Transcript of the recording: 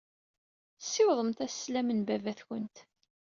Ssiwḍemt-as sslam n baba-twent.